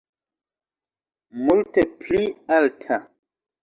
Multe pli alta.